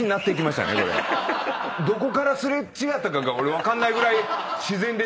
どこから擦れ違ったかが俺分かんないぐらい自然でしたよ？